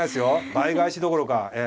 倍返しどころかええ。